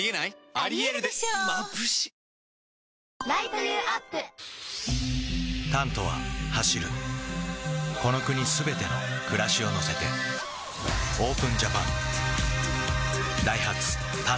俳優「タント」は走るこの国すべての暮らしを乗せてＯＰＥＮＪＡＰＡＮダイハツ「タント」